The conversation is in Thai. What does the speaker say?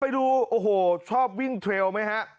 ไปดูชอบวิ่งเทลไม่ฮะ